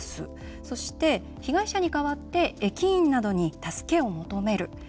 そして、被害者に代わって駅員などに助けを求める。